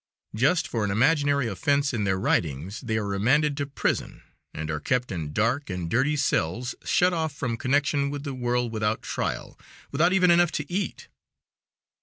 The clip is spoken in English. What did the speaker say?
Just for an imaginary offense in their writings, they are remanded to prison, and are kept in dark and dirty cells, shut off from connection with the world without trial, without even enough to eat.